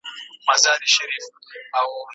سړیه ته خو هډو غږ مه کوه